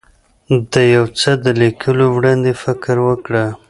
د یو څه د لیکلو وړاندې فکر وکړه.